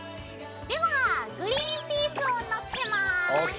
ではグリンピースをのっけます。